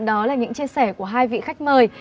đó là những chia sẻ của hai vị khách mời